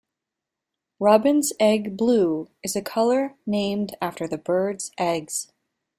"Robin's egg blue" is a color named after the bird's eggs.